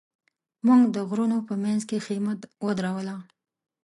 موږ د غرونو په منځ کې خېمه ودروله.